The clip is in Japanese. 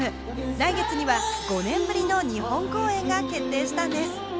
来月には５年ぶりの日本公演が決定したんです。